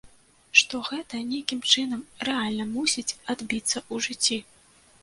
Што гэта нейкім чынам рэальна мусіць адбіцца ў жыцці.